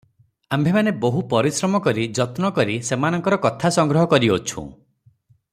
ଆମ୍ଭେମାନେ ବହୁ ପରିଶ୍ରମ ବହୁ ଯତ୍ନ କରି ସେମାନଙ୍କର କଥା ସଂଗ୍ରହ କରିଅଛୁଁ ।